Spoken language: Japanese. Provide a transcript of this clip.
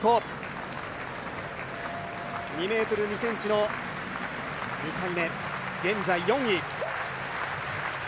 ２ｍ２ｃｍの２回目現在、４位。